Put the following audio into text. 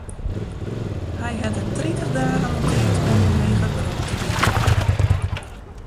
Hy hat it tritich dagen oan tiid om yn heger berop te gean.